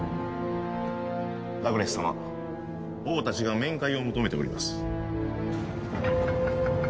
ラクレス様王たちが面会を求めております。